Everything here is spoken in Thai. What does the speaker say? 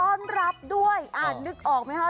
ต้อนรับด้วยอ่านนึกออกไหมคะ